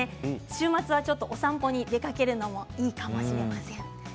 週末はお散歩に出かけるのもいいかもしれません。